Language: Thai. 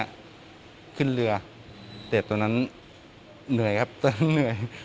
ก็ขึ้นเรือแต่ตอนนั้นเหนื่อยครับตอนนั้นเหนื่อย